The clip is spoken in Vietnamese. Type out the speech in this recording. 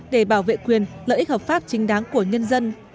để bảo vệ quyền lợi ích hợp pháp chính đáng của nhân dân